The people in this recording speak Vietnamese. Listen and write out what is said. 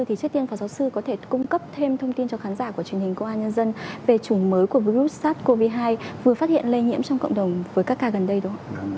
thì trước tiên phó giáo sư có thể cung cấp thêm thông tin cho khán giả của truyền hình công an nhân dân về chủng mới của virus sars cov hai vừa phát hiện lây nhiễm trong cộng đồng với các ca gần đây đúng không ạ